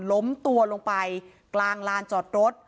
ล้มตัวลงไปกลางลานจอดรถ